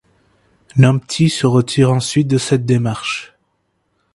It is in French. Nampty se retire ensuite de cette démarche.